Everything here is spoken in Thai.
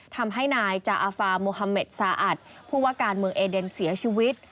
ทำให้นายจาอาฟาโมฮาเมดซาอัดผู้ว่าการเมืองเอเดนเสียชีวิต